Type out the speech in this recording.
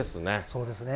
そうですね。